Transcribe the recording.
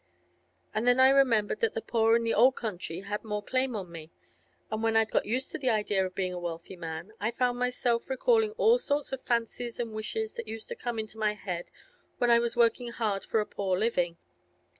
But then I remembered that the poor in the old country had more claim on me, and when I'd got used to the idea of being a wealthy man, I found myself recalling all sorts of fancies and wishes that used to come into my head when I was working hard for a poor living.